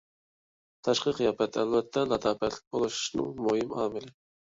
تاشقى قىياپەت ئەلۋەتتە لاتاپەتلىك بولۇشنىڭ مۇھىم ئامىلى.